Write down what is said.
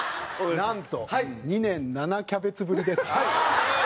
なんと２年７キャベツぶりです。